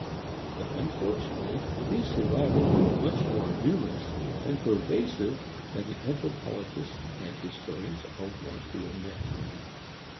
But unfortunately these survivals are much more numerous and pervasive than the anthropologist and historian are wont to admit.